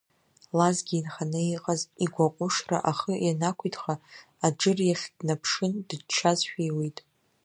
Лазгьы, инханы иҟаз игәаҟәышра ахы ианақәиҭха, Аџыр иахь днаԥшын, дыччашәа иуит.